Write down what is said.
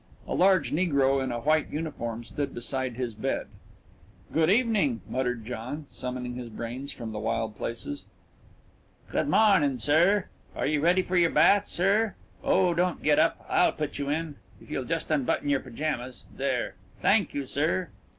A large negro in a white uniform stood beside his bed. "Good evening," muttered John, summoning his brains from the wild places. "Good morning, sir. Are you ready for your bath, sir? Oh, don't get up I'll put you in, if you'll just unbutton your pyjamas there. Thank you, sir."